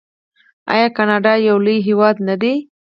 آیا کاناډا یو لوی هیواد نه دی؟